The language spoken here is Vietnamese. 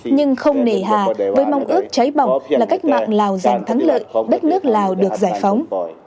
nhưng không nề hà với mong ước cháy bỏng là cách mạng lào giành thắng lợi đất nước lào được giải phóng